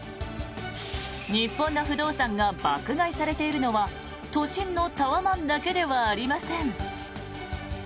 日本の不動産が爆買いされているのは都心のタワマンだけではありません。